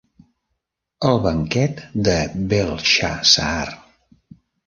El banquet de Belshazaar.